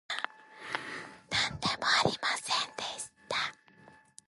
なんでもありませんでした